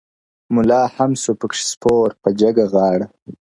مُلا هم سو پکښي سپور په جګه غاړه-